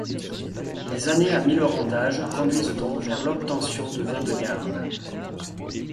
Les années à millerandage conduisent donc vers l’obtention de vins de garde.